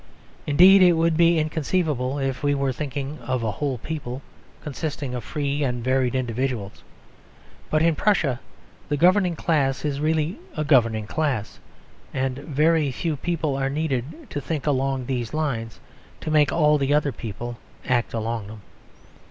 Indeed it would be inconceivable if we were thinking of a whole people, consisting of free and varied individuals. But in Prussia the governing class is really a governing class: and a very few people are needed to think along these lines to make all the other people act along them.